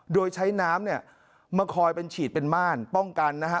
โดยใช้น้ำเนี่ยมาคอยเป็นฉีดเป็นม่านป้องกันนะฮะ